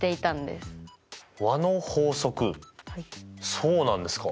そうなんですか。